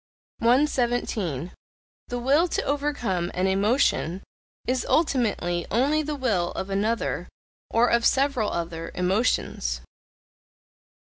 117. The will to overcome an emotion, is ultimately only the will of another, or of several other, emotions.